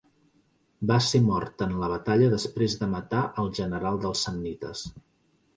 Va ser mort en la batalla després de matar al general dels samnites.